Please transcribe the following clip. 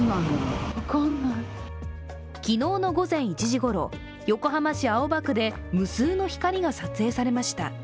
昨日の午前１時ごろ、横浜市青葉区で無数の光が撮影されました。